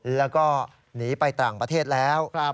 แล้วก็หนีไปต่างประเทศแล้ว